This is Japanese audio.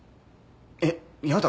えっやだ。